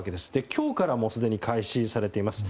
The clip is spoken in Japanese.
今日からすでに開始されています。